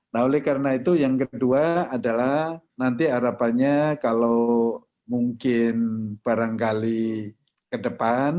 nah oleh karena itu yang kedua adalah nanti harapannya kalau mungkin barangkali ke depan